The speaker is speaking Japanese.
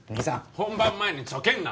本番前にちょけんな！